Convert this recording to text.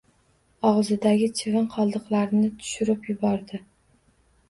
Og’zidagi chivin qoldiqlarini tushirib yubordi.